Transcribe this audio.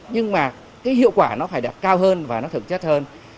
nhưng mà cái hiệu quả nó phải đạt cao hơn và nó thực chất hơn